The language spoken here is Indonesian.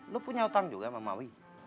lo punya utang juga sama mawi